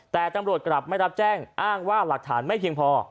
แต่ตำรวจกลับไม่รับแจ้งอ้างว่าหลักฐานไม่เพียงพอ